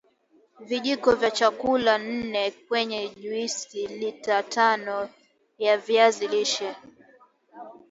Vijiko vya chakula nne kwenye juisi lita tano ya viazi lishe